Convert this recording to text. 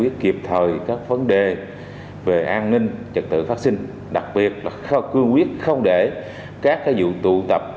thời các vấn đề về an ninh trật tự phát sinh đặc biệt là cương quyết không để các vụ tụ tập